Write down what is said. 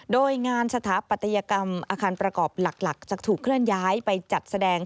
โดยงานสถาปัตยกรรมอาคารประกอบหลักจะถูกเคลื่อนย้ายไปจัดแสดง